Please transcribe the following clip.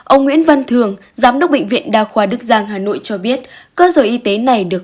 ông nguyễn văn thường giám đốc bệnh viện đa khoa đức giang hà nội cho biết cơ sở y tế này được